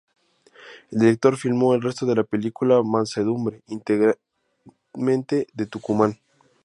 El director filmó el resto de la película "Mansedumbre" íntegramente en Tucumán.